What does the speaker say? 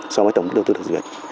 so với tổng đầu tư thực duyệt